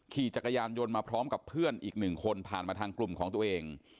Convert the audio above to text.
ขี่จักรยานยนต์มาพร้อมกับเพื่อนอีกหนึ่งคนผ่านมาทางกลุ่มของตัวเอง